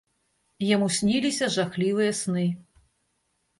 Яму сніліся жахлівыя сны.